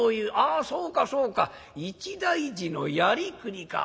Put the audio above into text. あそうかそうか一大事のやりくりか。